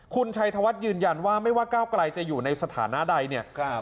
คุณชัยธวัฒน์ยืนยันว่าไม่ว่าก้าวไกลจะอยู่ในสถานะใดเนี่ย